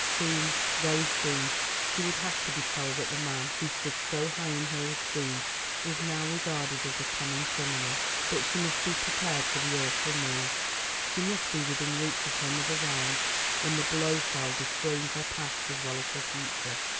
Soon, very soon she would have to be told that the man who stood so high in her esteem was now regarded as a common criminal. But she must be prepared for the awful news. She must be within reach of her mother's arms when the blow fell destroying her past as well as her future.